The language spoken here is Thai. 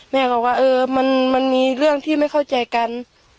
แม่บอกว่าเออมันมีเรื่องที่ไม่เข้าใจกัน